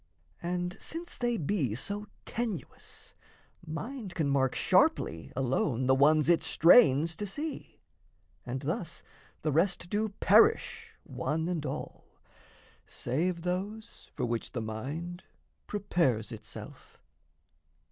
And since they be so tenuous, mind can mark Sharply alone the ones it strains to see; And thus the rest do perish one and all, Save those for which the mind prepares itself.